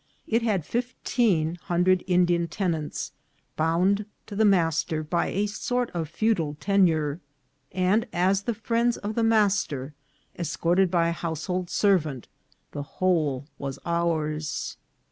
It had fifteen hundred Indian tenants, bound to the master by a sort of feudal tenure, and, as the friends of the master, escorted by a household servant, the whole was ours.